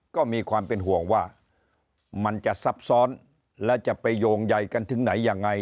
ก็มีความเป็นห่วงว่ามันจะซับซ้อนและจะไปโยงใยกันถึงไหนยังไง